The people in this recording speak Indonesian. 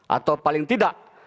atau paling tidak